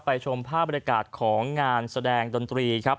ชมภาพบริการของงานแสดงดนตรีครับ